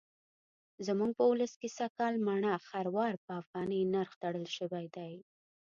زموږ په ولس کې سږکال مڼه خروار په افغانۍ نرخ تړل شوی دی.